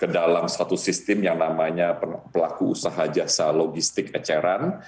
ke dalam satu sistem yang namanya pelaku usaha jasa logistik eceran